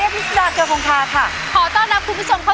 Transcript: ขอต้อนรับคุณผู้ชมเข้าสู่ที่นี่ค่ะ